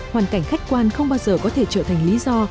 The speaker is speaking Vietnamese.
hoàn cảnh khách quan không bao giờ có thể trở thành lý do